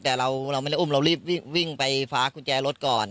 แต่เราไม่ได้อุ้มเรารีบวิ่งไปฟ้ากุญแจรถก่อน